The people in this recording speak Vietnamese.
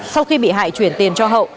sau khi bị hại chuyển tiền cho hậu